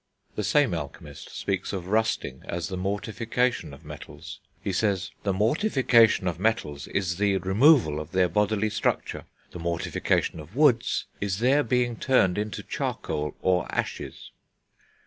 The same alchemist speaks of rusting as the mortification of metals; he says: "The mortification of metals is the removal of their bodily structure.... The mortification of woods is their being turned into charcoal or ashes."